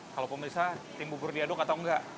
kalau pemirsa tim bubur diaduk atau enggak